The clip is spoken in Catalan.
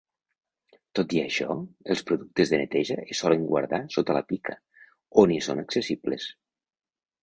Tot i això, els productes de neteja es solen guardar sota la pica, on hi són accessibles.